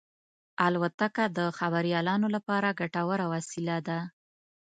الوتکه د خبریالانو لپاره ګټوره وسیله ده.